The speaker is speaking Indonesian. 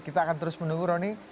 kita akan terus menunggu roni